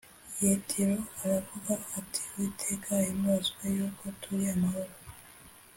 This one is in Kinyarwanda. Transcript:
yetiro aravuga ati uwiteka ahimbarizwe yuko turi amahoro